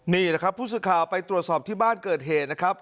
นี่แหละครับผู้สื่อข่าวไปตรวจสอบที่บ้านเกิดเหตุนะครับ